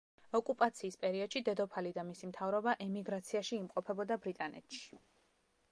ოკუპაციის პერიოდში დედოფალი და მისი მთავრობა ემიგრაციაში იმყოფებოდა ბრიტანეთში.